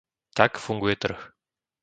Tak funguje trh.